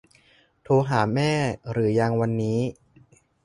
โทรหาแม่หรือยังวันนี้